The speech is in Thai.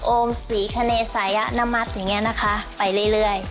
โอมศรีคะเนสายะนมัติอย่างนี้นะคะไปเรื่อย